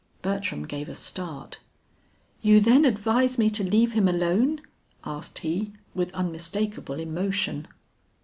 Bertram gave a start. "You then advise me to leave him alone?" asked he, with unmistakable emotion.